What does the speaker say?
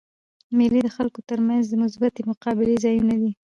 مېلې د خلکو تر منځ د مثبتي مقابلې ځایونه دي.